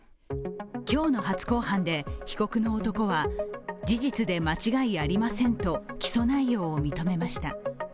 今日の初公判で被告の男は事実で間違いありませんと起訴内容を認めました。